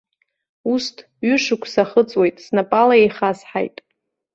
Усҭ, ҩышықәса ахыҵуеит, снапала еихасҳаит.